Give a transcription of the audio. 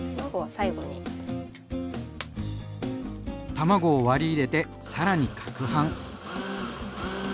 卵を割り入れてさらにかくはん。